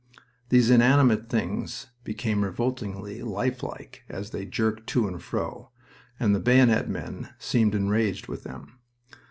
These inanimate things became revoltingly lifelike as they jerked to and fro, and the bayonet men seemed enraged with them.